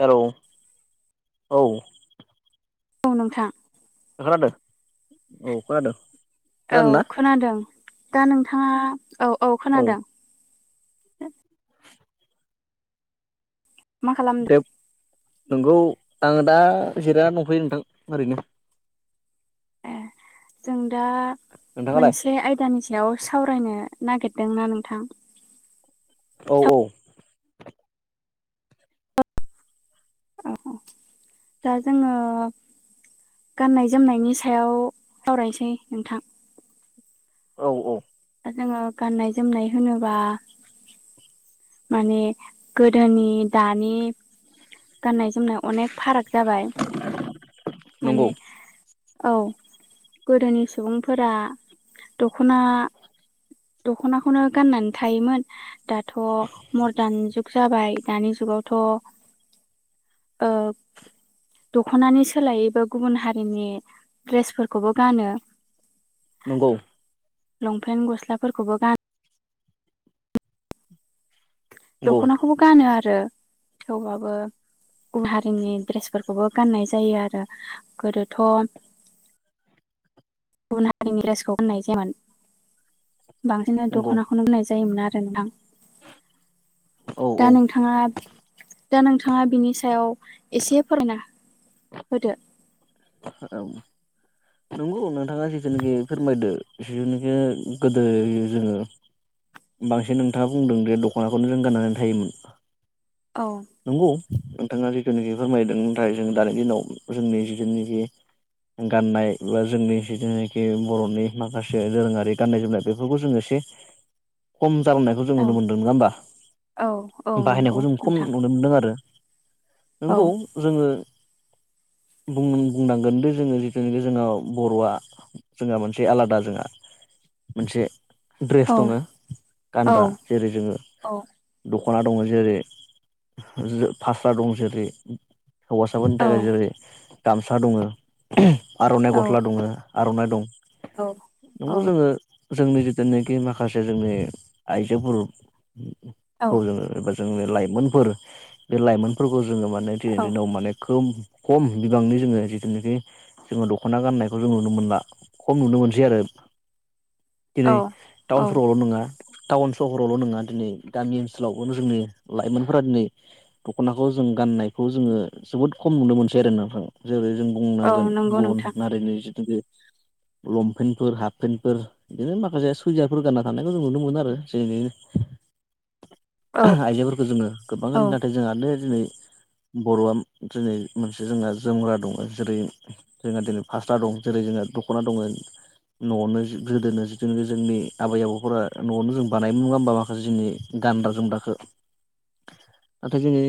Hello औ औ नोंथां। खोनादों औ खोनादों। औ खोनादों ना खोनादों दा नोंथाङा औ औ खोनादों। [inaudible] मा खालामदों? नंगौ आङो दा जिरायनानै दंफैयो नोंथां ओरैनो। ए जों दा नोंथाङालाय मोनसे आयदानि सायाव सावरायनो नागिरदोंना नोंथां औ औ। औ दा जोङो गाननाय जोमनायनि सायाव सावरायनोसै नोंथां। औ औ। दा जोङो गाननाय जोमनाय होनोबा माने गोदोनि दानि गाननाय जोमनाय अनेक फाराग जाबाय। माने नंगौ औ गोदोनि सुबुंफोरा दख'ना दखनाखौनो गाननानै थायोमोन दाथ' मद्रान जुग जाबाय दानि जुग दानि जुगावथ' ओ दख'नानि सोलायैबो गुबुन हारिनि ड्रेसफोरखौबो गानो नंगौ। लंपेन्ट गस्लाफोरखौबो गा नंगौ दख'नाखौबो गानो आरो थेवबाबो गुबुन हारिनि ड्रेसफोरखौबो गाननाय जायो आरो गोदोथ' गुबुन हारिनि ड्रेसखौ होननाय जायामोन बांसिन नंगौ दख'नाखौनो होननाय जायोमोन आरो। नोंथां औ दा औ नोंथाङा दा नोंथाङा बिनि सायाव एसे फरायना होदो। औ नंगौ नोंथाङा जिथुनिखि फोरमायदो जिथुनिखि गोदो जोङो बांसिन नोंथाङा बुंदों जे दख'नाखौनो जों गाननानै थायोमोन। औ नंगौ नोंथाङा जिथुनिखि फोरमायदों नाथाय जों दानि दिनाव जोंनि जोंनि बे गाननाय बा जोंनि जिथुनाखि बर'नि माखासे दोरोङारि गाननाय जोमनाय बेफोरखौ जोङो खि खम जालांनायखौ जों औ नुनो मोन्दों नङा होमबा औ औ नंगौ बाहायनायखौ जों खम नोंथां नुनो मोन्दों आरो औ नंगौ जोङो बुंनो बुंनांगोन दि जोङो जिथुनाखि जोंङो बर'आ जोंहा मोनसे आलादा जोंहा मोनसे ढ्रेस औ दङो औ गानग्रा जेरै जोङो औ द ख'ना दङ जेरै फास्रा दं जेरै हौवासाफोरनि औ थाखाय जेरै गामसा दङो आर'नाइ औ गस्ला दङो। आर'नाइ दं नंगौ औ जोङो जोंनि जिथुनाखि माखासे जोंनि औ आइजोफोरखौ जोङो जोंनि लाइमोनफोर बे लाइमोनफोरखौ जोङो माने दिनै दिनाव माने खोब खम बिबांनि जोङो जिथुनाखि जोङो दख'ना गाननायखौ जों नुनो मोनला खम नुनो मोनसै आरो। [inaudible] दिनै औ औ टाउन सहरावल' नोङा टाउन सहरावल' नङा दिनै गामि ओनसोलावबो जोंनि लाइमोनफोरा दिनै दख'नाखौ जों गाननायखौ जोङो जोबोद खम नुनो मोनसै आरोना। जेरै जों औ बुंनांगोन नंगौ गुबुन नोंथां हारिनि जिथुखि [inaudible] लंपेन्टफोर हाफपेन्टफोर बिदिनो माखासे सुइजाइफोर गानना थानायखौ जों नुनो मोनो आरो जेरै [inaudible] औ आइजोफोरखौ जोङो औ गोबाङानो नाथाय जों आनो दिनै बर'आ दिनै मोनसे जोंना जोमग्रा दङो जेरै जोंहा दिनै फास्ला दं जेरै जोंहा दख'ना दङो। न'आवनो गोदोनो जिथुनाखि जोंनि आबै आबौफोरा न'आवनो जों बानायबो नङा होमबा माखासे जोंनि गानग्रा जोमगखो नाथाय जोङो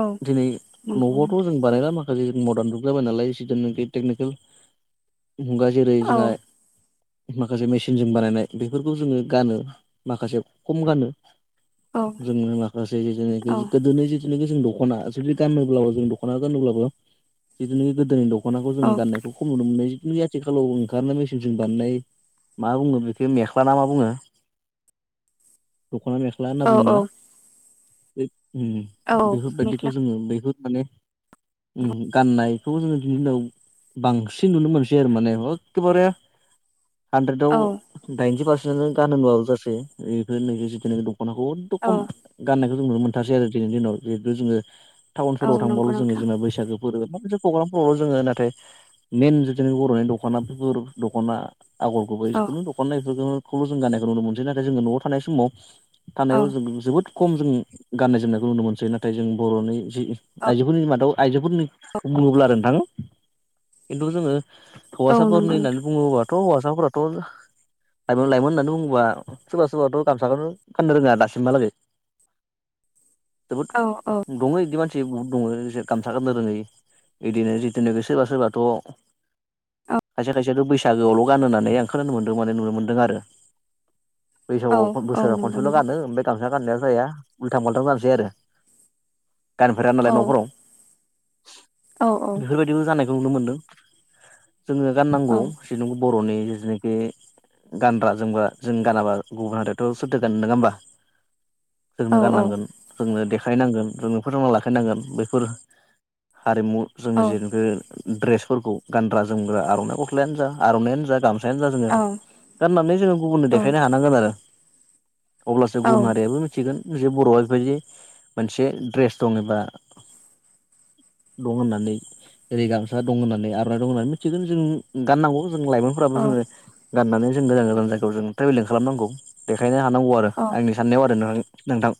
औ दिनै नंगौ न'आवबोथ' नोंथां जों बानायला माखासे मदान जुग जाबाय नालाय जिदनाखि टेकनिकेल मुगा जेरै औ जोंहा माखासे मेसिनजों बानायनाय बेफोरखौ जोङो गानो माखासे खम गानो। औ जोंनि माखासे जिथुनाकि औ गोदोनि जिथुनोखि जों दख'ना जुदि गानोब्लाबो जों दख'ना गानोब्लाबो जिथुनोखि गोदोनि दख दख'नाखौ जोङो गाननायखौ खम नुनो मोननाय आथिखालाव ओंखारनाय मेसिनजोंं बानायनाय मा बुङो बेखौ मेख्ला ना मा बुङो? [inaudible] दख'ना मेख्ला औ होनना बुङोना औ उम औ बेफोर मेख्ला बायदिखौ जोङो बै माने उम गाननायखौ जोङो दिनैनि दिनाव बांसिन नुनो मोनसै आरो माने एखेबारे हानद्रेदाव औ दाइनजि पारसेन्टनो गानो होनबाबो जासै बेफोर नोंसोर जिथनाखि दं। दखनाखौ अदद' औ खम गाननायखौ जों नुनो मोनथारसै आरो दिनैनि दिनाव जिहेतु जोङो औ टाउनफोराव नंगौ थांबाल' जोंङो नोंथां जोंना बैसागो माखासे प्रग्रामफोरावल' जोङो नाथाय मेन जिथनाकि बर'नि दख'ना बेफोर दख'ना आगर गुबै औ जिखुनु दखना एफोरखौल' जों गानानायखौ नुनो मोनसै नाथाय जोङो न'आव थानाय समाव औ थानायाव जों जोबोद खम जों गाननाय जोमनायखौ नुनो मोनसै नाथाय जों बर'नि जि औ आइजोफोरनि मादाव आइजोफोरनि बुङोब्ला आरो नोंथां खिन्थु जोङो औ नंगौ हौवासाफोरनि होननानै नोंथां बुङोबाथ' हौवासा साफोराथ' लाइमोन लाइमोन होननानै बुङोबा सोरबा सोरबाथ' गामसाखौनो गाननो रोङा दासिमहालागै [inaudible] जोबोद औ दङ बिदि मानसि बहुद दङ जे गामसा गाननो रोङै बिदिनो जिथुनाखि सोरबा सोरबाथ' खायसे खायसेयाथ' बै बैसागोआवल' गाननानै आं खोनानो मोन्दों माने नुनो मोन्दों आरो औ बैसागोआव औ बोसोराव नंगौ खनसेल' नोंथां गानो ओमफ्राय गामसा गाननायानो जाया उल्थां फाल्थां जानोसै आरो। गानफेरा औ नालाय न'फोराव औ बेफोरबायदिबो जानायखौ नुनो मोनदों जोङो गाननांगौ औ जेनु बर'नि जिनाखि गानग्रा जोमग्रा जों गानाबा गुबुन हारियाथ' सोरथो गाननो नङा होमबा औ जोंनो गाननांगोन जोंनो देखायनांगोन जोंनो फोथांना लाखिनांगोन बेफोर हारिमु जोंनि जेखि दड्रेसफोरखौ गानग्रा जोमग्रा आर'नाइ गस्लायानो जा आर'नायइानो जा गामसा यानो जा जोङो गाननानै जोङो गुबुननो देखायनो हानांगोन आरो अब्लासो गुबुन हारियाबो मिथिगोन बर'आ बेबायदि मोनसे द्रेस दङ एबा दं होननानै ओरै गामसा दं होननानै आरनाइ दं होननानै मिथिगोन जों गाननांगौ लाइमोनफोराबो जोङो गाननानै जों गोजान गोजान जायगायाव जों ट्रेभेलिं खालामनांगौ बेखायनो थानांगौ आरो औ आंनि साननायाव आरो नोंथां।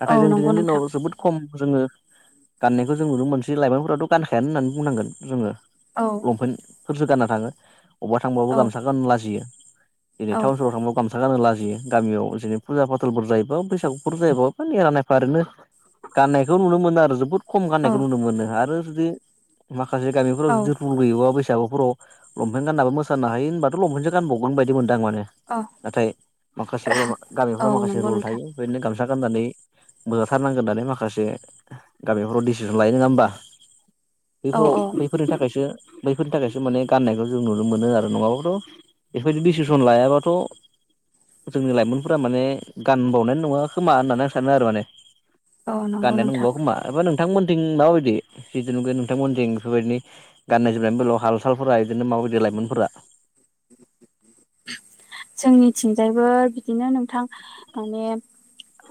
नाथाय औ जों नंगौ दिनैनि नोंथां औ दिनाव जोबोद खम जोङो गाननायखौ जों नुनो मोनसे लाइमोनफोराथ' गानखायानो होननानै बुंनांगोन जोङो। औ लंपेन्टफोरसो गानना थाङो। अबबा थांबाबो गामसा गाननो लाजियो जेरै टानाव सहराव थांबाबो गाम गाननो लाजियो गामियाव जेरै फुजा फाथालफोर जायोबा बैसागुफोर जायोबा निरा नायफा ओरैनो गाननायखौ नुनो मोनो आरो जोबोद खम गाननायखौ नुनो मोनो आरो जुदि माखासे औ गामिफोराव जुदि रुल गैयोबा बे हराव लंपेन गानाबो मोसानो हायो होनबाथ' लंपेसो गानबावगोन बायदि मोन दां माने नाथाय माखासेफोर औ औ गामिफोराव माखासे नंगौ रुल नोंथां थायो बेदिनो गामसा नानै बोजारनांगोननानै माखासे गामिफोराव लाय नङा होमबा! औ बैफोराव औ बैफोरनि थाखायसो बैफोरनि थाखायसो माने गाननायखौ जों नुनो मोनो आरो नङाबाथ' बेफोरबायदि डिसिसन लायाबाथ' जोंनि लाइमोनफोरा माने गान बावनाय नङा खोमा होननानै आं सानो आरो माने। औ नंगौ गाननायानो नोंथां नंबावा खोमा एबा नोंथांमोनथिं माबायदि जिथुखे नोंथांमोनथिं बेफोरबायदि गाननाय जोमनायनिबोल' हाल सालफोरा बिदिनो माबायदि लाइमोनफोरा [inaudible] जोंनिथिंजायबो बिदिनो नोंथां माने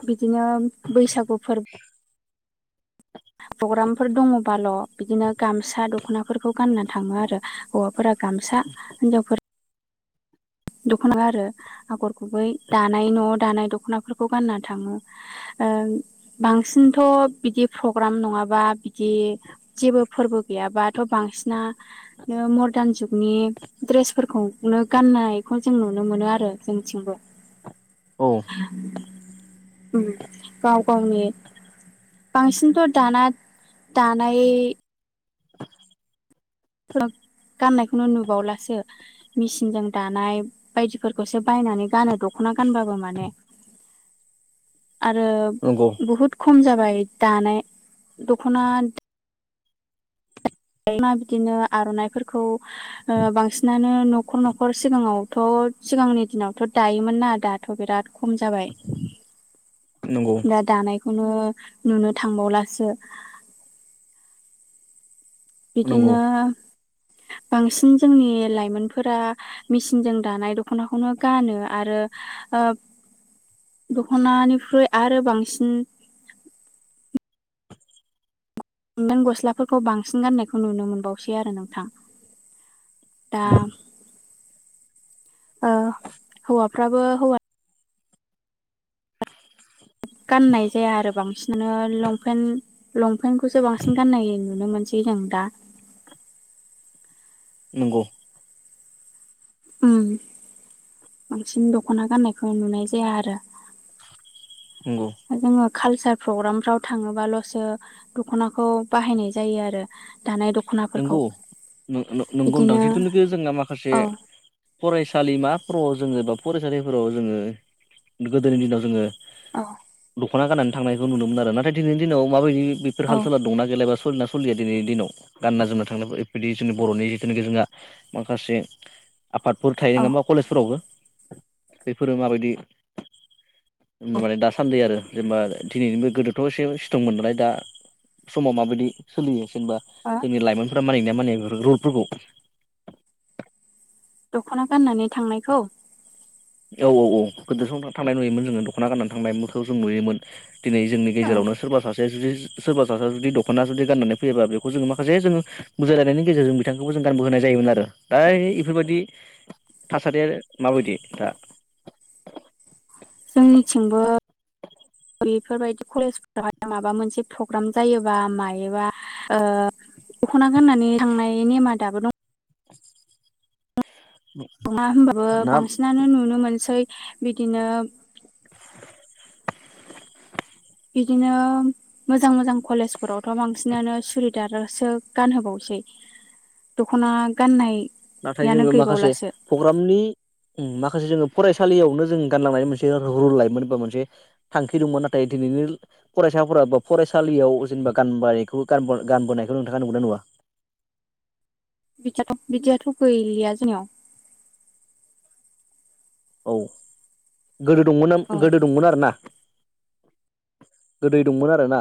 बिदिनो बैसागु फोरबो प्रग्रामफोर दङबाल' बिदिनो गामसा दख'नाफोरखौ गानना थाङो आरो हौवाफोरा गामसा हिनजावफोर दख'ना आरो आगर गुबै दानाय न' दानाय दख'नाफोरखौ गानना थाङो ओ बांसिनथ' बिदि प्रग्राम नङा बा बिदि जेबो फोरबो गैाथ' बांसिना मरदान जुगनि द्रेसफोरखौनो गाननाय खौ जों नुनो मोनो आरो जोंथिंबो। औ ओम गाव-गावनि। बांसिनथ' दाना दानाय। [inaudible] गाननायखौनो नुबावलासो मेसिनजों दानाय बायदिफोरखौसो बायनानै गानो दख'ना। दख'ना गानबाबो माने। आरो नंगौ बहुद खम जाबाय दानाय दख'ना। दा बिदिनो आर'नाइफोरखौ ओ बांसिनानो न'खर-न'खर सिगाङावथ'। सिगांनि दिनावथ' दायोमोन ना दाथ' बिराद। खम जाबाय नंगौ दा-दानाय। खौनो नुनो थांबावलासो। नंगौ बिदिनो। बांसिन जोंनि लाइमोनफोरा मेसिनजों दानाय दख'नाखौनो गानो आरो। ओ दखनानिख्रुइ आरो बांसिन। [inaudible] लंपेन, गस्लाफोरखौ बांसिन गाननायखौ नुनो मोनबावसै आरो नोंथां। दा ओ हौवाफ्राबो हौवा। गाननाय जाया आरो बांसिनानो लंपेन्ट। लंपेन्टखौसो बांसिन गाननाय नुनो मोनसै जों दा। नंगौ। उम बांसिन दख'ना गाननायखौ नुनाय जाया आरो। नंगौ जोङो। कालसार प्रग्राम फ्राव थाङोबाल'सो दखनाखौ बाहायनाय जायो आरो दानाय। दख'नाफोरखौ नंगौ-नं-नंगौ नोंथां बिदिनो जिथुनाखि जोंना माखासे। औ फरायसालिमाफोराव जोङो बा फरायसालिफोराव जोङो गोदोनि दिनाव जोङो। औ। दख'ना गाननानै थांनायखौ नुनो मोनोमोन आरो नाथाय दिनैनि दिनाव माबायदि बेफोर औ हाल-साला दंना गैलाबा सलियोना सलिया। सलिया दिनैनि दिनाव गानना-जोमना थांनाय बेबायदि जोंनि बर'नि जिथुनाखि जोंहा माखासे। आफादफोर थायो नङा होमबा कलेजफोरावबो बेफोरो माबायदि? औ माने दासान्दै आरो। जेनेबा दिनैनिबो गोदोथ' एसे इसट्रंमोन नालाय दा समाव माबायदि सोलियो जेनेबा? ओ जोंनि लाइमोनफोरा मानियो ना मानिया बेफोर रलफोरखौ? दख'ना गाननानै थांनायखौ? औ-औ-औ गोदो समाव थांनाय नुयोमोन जोङो दख'ना गाननानै थांनायखौ जों नुयोमोन। दिनै जोंनि औ गेजेरावनो सोरबा सासे। जुदि सोरबा सासे जुदि दख'ना जुदि गाननानै फैबा बे जोङो माखासे जों बुजायलायनायनि गेजेरजों बिथांखौबो जों। गानबोहाय जायोमोन आरो दा बेफोरबायदि थासारिया माबायदि दा? जोंनिथिंबो। बेफोरबायदि कलेजफोरावहाय माबा मोनसे प्रग्राम जायोबा मायोबा ओ। दख'ना गाननानै थांनाय नेमा दाबो दं। [unintelligible] होमबाबो ना बांसिनानो नुनो मोनसै बिदिनो। [inaudible] बिदिनो मोजां-मोजां कलेजफोरावथ' बांसिनानो सुरिदारासो गानहोबावसै। दखना गाननाय। नाथाय जोङो माखासे प्रग्रामनि। माखासे जोङो फरायसालियावनो जों गानलांनाय मोनसे रल लायोमोन बा मोनसे थांखि दंमोन नाथाय। दिनैनि फरायसाफोरा बा फरायसालियाव जेनेबा गानबायखौ गानबोनायखौ नोंथाङा नुयोना नुवा? बिदियाथ'-बिदियाथ' गैलिया जोंनियाव। औ गोदो दंमोन औ गोदो दंमोन आरो ना। गोदै दंमोन आरोना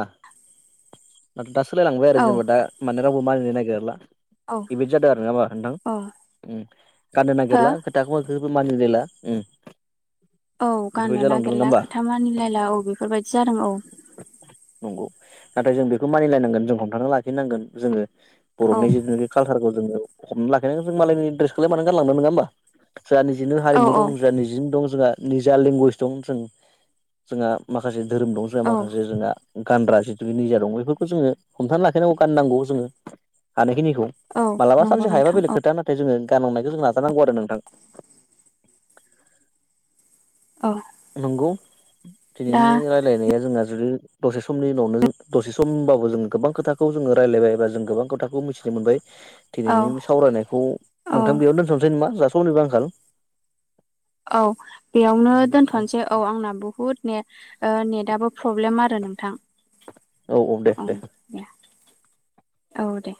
दा। सोलायलांबाय आरो औ जेनेबा दा माने रावबो मानिनो नागिरला औ इबायदि जादों आरो नामा नोंथां औ गाननो हो नागेरला खोथाखौ मानिलायला उ औ गाननो नागिरला खोथा मानिलायला औ बेफोरबायदि जादों औ नंगौ नाथाय जों बेखौ मानिलायनांगोन जों हमथा लाखिनांगोन जोङो औ बर'नि जिथु निखि कालसारखौ जोङो हमनानै लाखिनांगोन जों मालायनि ड्रेसखौलाय मान गानलांनो नङा होमबा जोहा निजिनो औ हारिमु औ दं नो दं जोंहा निजा लेंगुवेज दं जों जोंहा माखासे धोरोम दं जोंहा औ माखासे जोंहा गानग्रा जिथुखि निजा दं बेफोरखौ जोङो हमथा लाखिनांगौ गाननांगौ जोङो हानायखिनि खौ औ मालाबा नंगौ सानसे हायाबा नोंथां बेलेग औ खोथा नाथाय जोङो गानंनायखौ जों नाजानांगौ आरो नोंथां। औ नंगौ दा दिनैनि राय्लायनाया जोंहा जुदि दसे समनि उनावनो जों दसे समबाबो जोङो गोबां खोथाखौ जोङो रायलायबाय बा जों गोबां खोथाखौ मिथिनो मोनबाय। औ दिनैनि सावरायनायखौ औ नोंथां बेयावनो दोनथ'नोसै नामा जाहा समनिबो आंखाल औ बेयावनो दोनथ'नोसै औ आंना बुहुत ने ओ नेटाबबो प्रब्लेम आरो नोंथां। औ-औ ओं दे-दे दे औ- दे।